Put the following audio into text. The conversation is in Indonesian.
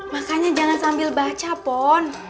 makanya jangan sambil baca pon